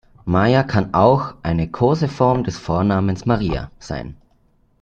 Maja kann auch eine Koseform des Vornamens Maria sein.